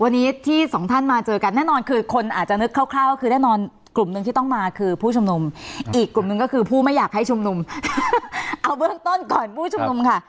วันนี้ที่สองท่านมาเจอกันแน่นอนคือคนอาจจะนึกคร่าวก็คือแน่นอนกลุ่มหนึ่งที่ต้องมาคือผู้ชุมนุมอีกกลุ่มหนึ่งก็คือผู้ไม่อยากให้ชุมนุมเอาเบื้องต้นก่อนผู้ชุมนุมค่ะ